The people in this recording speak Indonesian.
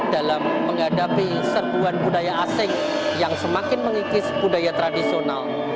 dalam menghadapi serbuan budaya asing yang semakin mengikis budaya tradisional